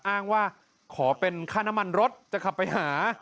อ้างว่าขอเป็นค่าน้ำมันรถจะขับไปหา